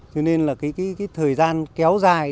cho nên là thời gian kéo dài